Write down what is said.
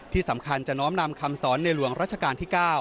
ที่สำคัญจะน้อมนำคำสอนในหลวงรัชกาลที่๙